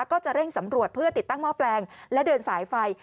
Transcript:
ก็จะเร่งสำรวจเพื่อติดตั้งหม้อแปลงและเดินสายไฟ